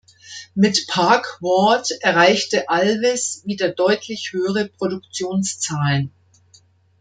Mit Park Ward erreichte Alvis wieder deutlich höhere Produktionszahlen.